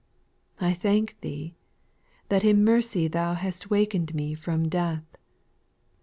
2. I thank Thee, that in mercy Thou Hast waken'd me from death.